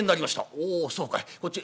「おおそうかいこっちへ。